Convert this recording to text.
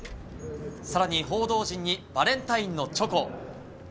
さらに、報道陣にバレンタインのチョコ。